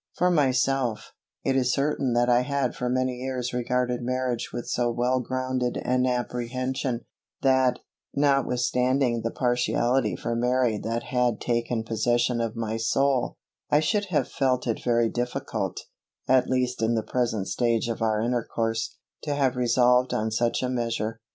For myself, it is certain that I had for many years regarded marriage with so well grounded an apprehension, that, notwithstanding the partiality for Mary that had taken possession of my soul, I should have felt it very difficult, at least in the present stage of our intercourse, to have resolved on such a measure.